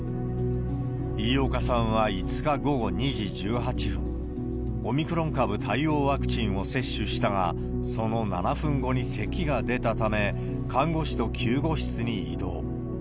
飯岡さんは５日午後２時１８分、オミクロン株対応ワクチンを接種したが、その７分後にせきが出たため、看護師と救護室に移動。